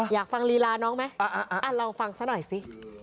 อยากฟังลีลาน้องไหมลองฟังซะหน่อยสิ